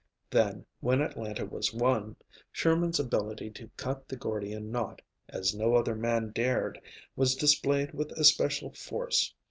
Then, when Atlanta was won, Sherman's ability to cut the Gordian knot, as no other man dared, was displayed with especial force.